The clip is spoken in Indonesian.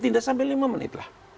tidak sampai lima menit lah